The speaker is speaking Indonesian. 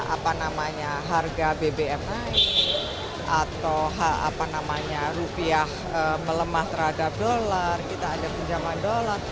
apa namanya harga bbmi atau apa namanya rupiah melemah terhadap dolar kita ada pinjaman dolar